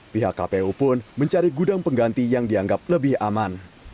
pihak kpu pun mencari gudang pengganti yang dianggap lebih aman